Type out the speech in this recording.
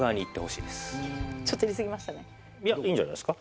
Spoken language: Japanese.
いやいいんじゃないですか？